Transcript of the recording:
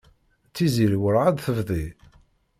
Tiziri werɛad tebdi.